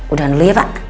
udahan dulu ya pak